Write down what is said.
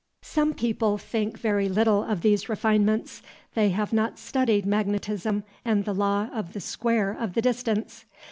Some people think very little of these refinements; they have not studied magnetism and the law of the square of the distance.